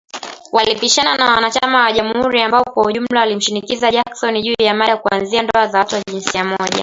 Walipishana na wanachama wa Jamuhuri ambao kwa ujumla walimshinikiza Jackson, juu ya mada kuanzia ndoa za watu wa jinsia moja